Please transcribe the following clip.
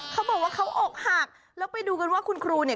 เขาบอกว่าเขาอกหักแล้วไปดูกันว่าคุณครูเนี่ย